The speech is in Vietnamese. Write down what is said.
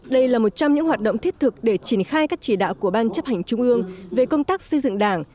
đây là một trong những hoạt động thiết thực để triển khai các chỉ đạo của ban chấp hành trung ương về công tác xây dựng đảng